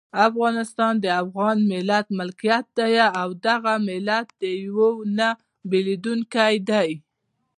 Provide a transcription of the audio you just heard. افغانستان د افغان ملت ملکیت دی او دغه ملت یو او نه بېلیدونکی دی.